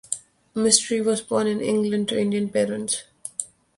Mistry was born in England to Indian parents.